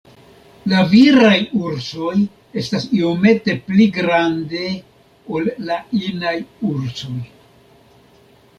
La viraj ursoj estas iomete pli grande ol la inaj ursoj.